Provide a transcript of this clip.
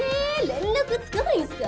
連絡つかないんすか？